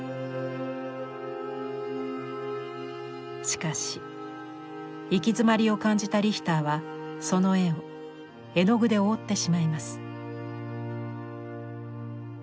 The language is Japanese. しかし行き詰まりを感じたリヒターはその絵を絵の具で覆ってしまいます。